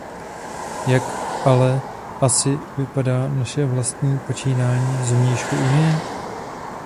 Jak ale asi vypadá naše vlastní počínání z vnějšku Unie?